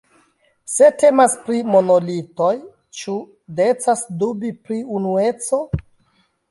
Se temas pri monolitoj, ĉu decas dubi pri unueco?